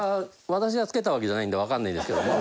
私が付けたわけじゃないんでわかんないんですけども。